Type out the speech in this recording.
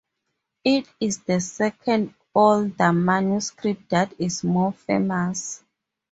It is the second, older manuscript that is more famous.